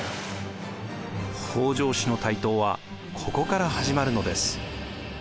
北条氏の台頭はここから始まるのです。